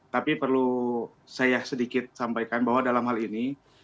tapi perlu saya sedikit sampaikan bahwa dalam hal ini